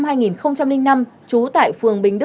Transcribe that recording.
trú tại phường bình đức thành phố hồ chí minh